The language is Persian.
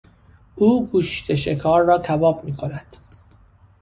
او گوشت شکار را کباب میکند.